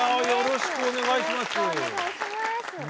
よろしくお願いします。